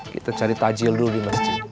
kita cari tajil dulu di masjid